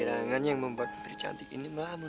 ada apa gerangan yang membuat putri cantik ini melamun